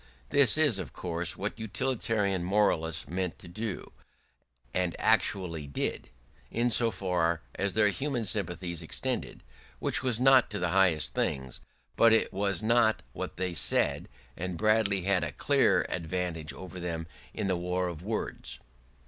This is, of course, what utilitarian moralists meant to do, and actually did, in so far as their human sympathies extended, which was not to the highest things; but it was not what they said, and Bradley had a clear advantage over them in the war of words.